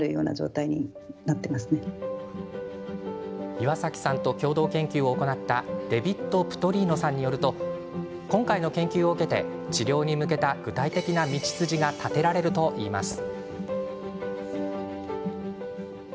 岩崎さんと共同研究を行ったデビッド・プトリーノさんによると、今回の研究を受けて治療に向けた具体的な道筋が立てられるといいます。